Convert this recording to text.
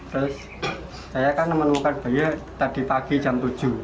terus saya kan menemukan bayi tadi pagi jam tujuh